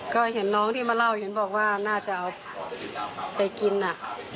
ก็เห็นน้องที่มาเล่าเห็นบอกว่าน่าจะเอาไปกินน่ะ